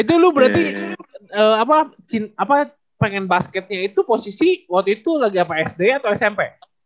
itu lu berarti pengen basketnya itu posisi waktu itu lagi apa sd atau smp